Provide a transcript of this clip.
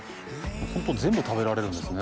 ホント全部食べられるんですね。